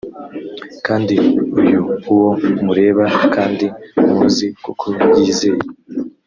kandi uyu uwo mureba kandi muzi kuko yizeye